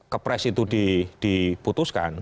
kepres itu diputuskan